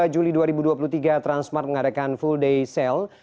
dua puluh juli dua ribu dua puluh tiga transmart mengadakan full day sale